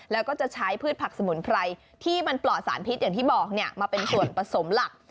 แล้วก็จะใช้พืชผักสมุนไพรที่มันปลอดสารพิษอย่างที่บอกมาเป็นส่วนผสมหลัก